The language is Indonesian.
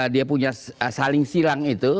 dia punya saling silang itu